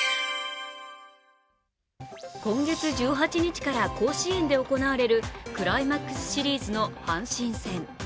今月１８日から甲子園で行われるクライマックスシリーズの阪神戦。